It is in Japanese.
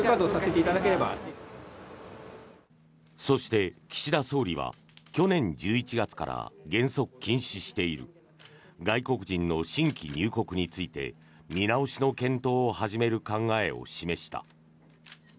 そして、岸田総理は去年１１月から原則禁止している外国人の新規入国について見直しの検討を始める考えを示した。